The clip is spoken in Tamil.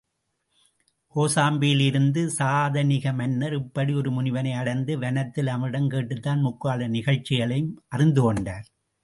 கோசாம்பியிலிருந்து சதானிக மன்னர் இப்படி ஒரு முனிவனை அடைந்து, வனத்தில் அவனிடம் கேட்டுத்தான் முக்கால நிகழ்ச்சிகளையும் அறிந்து கொண்டார்.